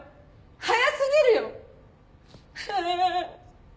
早すぎるよ。